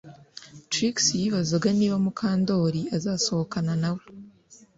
Trix yibazaga niba Mukandoli azasohokana nawe